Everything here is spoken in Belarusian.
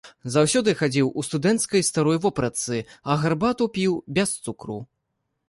Заўсёды хадзіў у студэнцкай старой вопратцы, а гарбату піў без цукру.